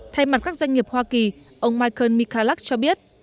thay mặt các doanh nghiệp hoa kỳ ông michael mikalac cho biết